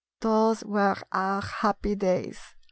Those were our happy days.